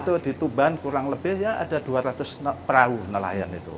itu di tuban kurang lebih ya ada dua ratus perahu nelayan itu